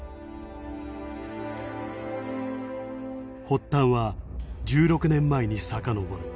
発端は１６年前にさかのぼる。